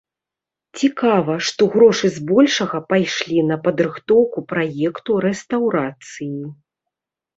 Цікава, што грошы збольшага пайшлі на падрыхтоўку праекту рэстаўрацыі.